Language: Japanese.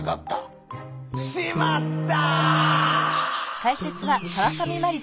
「しまった！」。